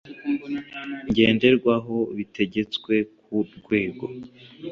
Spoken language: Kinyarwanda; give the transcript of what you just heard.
ngenderwaho bitegetswe ku rwego